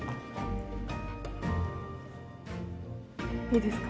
いいですか？